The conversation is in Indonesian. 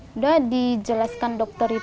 sudah dijelaskan dokter itu